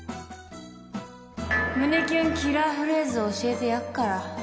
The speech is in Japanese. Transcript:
胸キュンキラーフレーズ教えてやっから。